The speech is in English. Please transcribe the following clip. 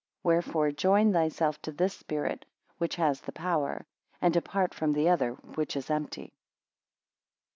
Wherefore join thyself to this spirit, which has the power; and depart from the other which is empty.